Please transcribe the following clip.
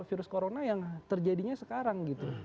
virus corona yang terjadinya sekarang gitu